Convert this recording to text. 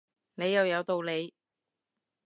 你又有道理